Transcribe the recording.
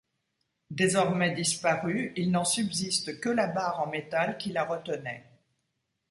Désormais disparue, il n'en subsiste que la barre en métal qui la retenait.